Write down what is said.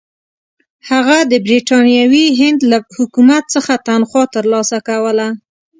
هغه د برټانوي هند له حکومت څخه تنخوا ترلاسه کوله.